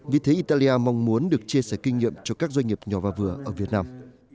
vì thế italia mong muốn được chia sẻ kinh nghiệm cho các doanh nghiệp nhỏ và vừa ở việt nam